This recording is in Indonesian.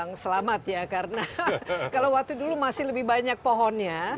yang selamat ya karena kalau waktu dulu masih lebih banyak pohonnya